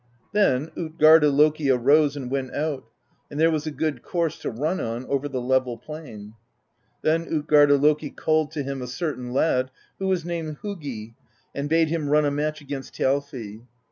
Then tJtgarda Loki arose and went out; and there was a good course to run on over the level plain. Then tJtgarda Loki called to him a certain lad, who was named Hugi, and bade him run a match against Thjalfi.